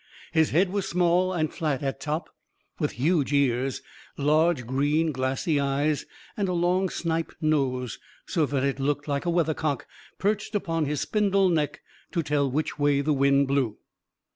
His head was small and flat at top, with huge ears, large green glassy eyes, and a long snipe nose, so that it looked like a weathercock perched upon his spindle neck to tell which way the wind blew.